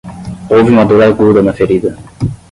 Houve uma dor aguda na ferida